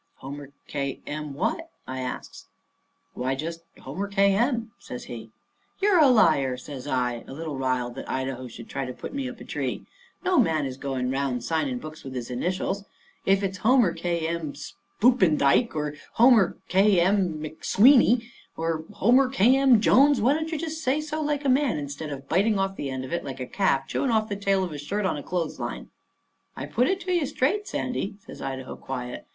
"Homer K. M. what?" I asks. "Why, just Homer K. M.," says he. "You're a liar," says I, a little riled that Idaho should try to put me up a tree. "No man is going 'round signing books with his initials. If it's Homer K. M. Spoopendyke, or Homer K. M. McSweeney, or Homer K. M. Jones, why don't you say so like a man instead of biting off the end of it like a calf chewing off the tail of a shirt on a clothes line?" "I put it to you straight, Sandy," says Idaho, quiet.